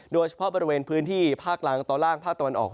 โดยเฉพาะบริเวณพื้นที่ภาคล่างตอนล่างภาคตะวันออก